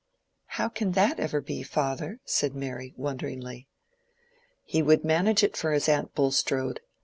"How can that ever be, father?" said Mary, wonderingly. "He would manage it for his aunt Bulstrode.